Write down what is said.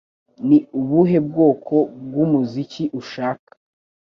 Ni ubuhe bwoko bw'umuziki ushaka